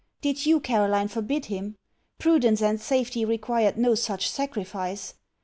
Did you, Caroline, forbid him? Prudence and safety required no such sacrifice!